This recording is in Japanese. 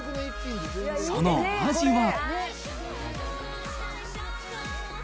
そのお味は。